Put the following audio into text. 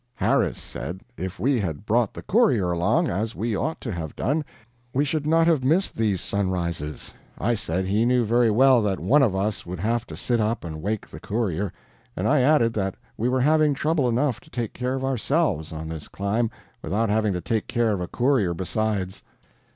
Harris said if we had brought the courier along, as we ought to have done, we should not have missed these sunrises. I said he knew very well that one of us would have to sit up and wake the courier; and I added that we were having trouble enough to take care of ourselves, on this climb, without having to take care of a courier besides.